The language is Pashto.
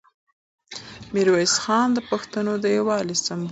میرویس خان د پښتنو د یووالي سمبول و.